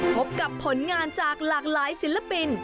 พบกับผลงานจากหลากหลายศิลปิน